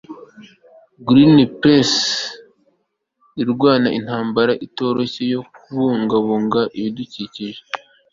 greenpeace irwana intambara itoroshye yo kubungabunga ibidukikije